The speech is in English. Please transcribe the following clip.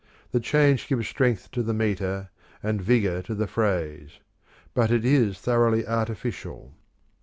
The change gives strength to the metre, and vigour to the phrase ; but it is thoroughly artificial.